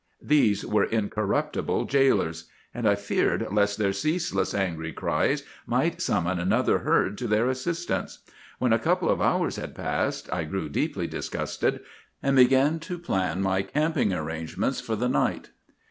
These were incorruptible jailers; and I feared lest their ceaseless, angry cries might summon another herd to their assistance. When a couple of hours had passed I grew deeply disgusted, and began to plan my camping arrangements for the night.